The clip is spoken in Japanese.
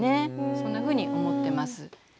そんなふうに思ってます。